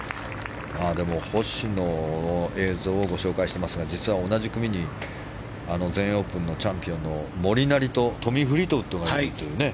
星野の映像をご紹介していますが実は同じ組に全英オープンのチャンピオンのモリナリとトミー・フリートウッドがいるというね。